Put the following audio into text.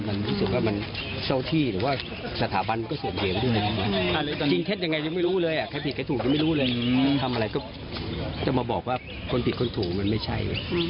ทำอะไรก็จะมาบอกว่าคนผิดคนถูกมันไม่ใช่